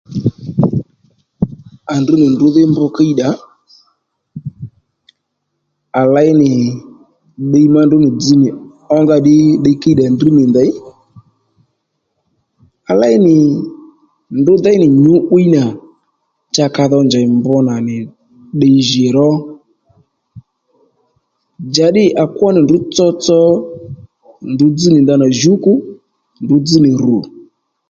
À ndrŕ nì ndrǔ dhí mb kíyddà à léy nì ddiy má ndrǔ nì dzz nì ó fungá ddí ddiy kiydha drr nì ndèy à léy nì ndrǔ déy nì nyǔ'wiy nà cha ka dho njèy mb nà nì ddiy njì ró njàddî à kwó nì ndrǔ tsotso ndrǔ dzz ni ndanà jǔkù ndrǔ dzź nì rù